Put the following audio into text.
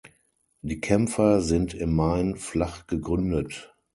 Die Kämpfer sind im Main flach gegründet.